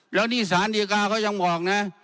แล้วนี่สารดีกาเขายังบอกนะ